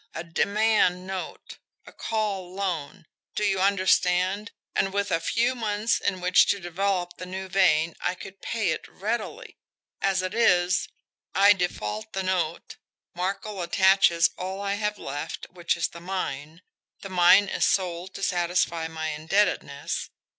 A DEMAND note, a call loan, do you understand and with a few months in which to develop the new vein I could pay it readily. As it is I default the note Markel attaches all I have left, which is the mine. The mine is sold to satisfy my indebtedness.